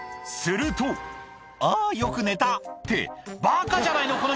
すると「あよく寝た」ってバカじゃないの？